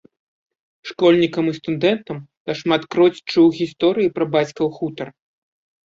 Школьнікам і студэнтам я шматкроць чуў гісторыі пра бацькаў хутар.